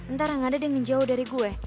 ntar gak ada yang jauh dari gue